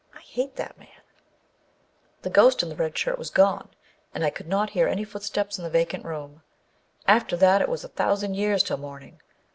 I hate that man ! The ghost in the red shirt was gone, and I could not hear any foot steps in the vacant room. After that it was a thousand years till morning.